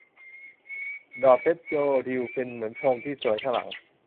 ดอกแดฟโฟดิลเหมือนเป็นพรมที่สวนข้างหลัง